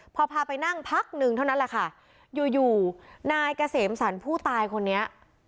พอพาไปนั่งพักหนึ่งเท่านั้นแหละค่ะอยู่อยู่นายเกษมสรรผู้ตายคนนี้